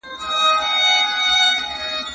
هر ستمګر ته د اغزیو وطن